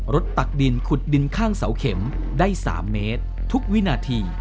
ตักดินขุดดินข้างเสาเข็มได้๓เมตรทุกวินาที